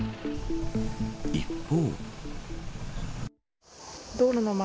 一方。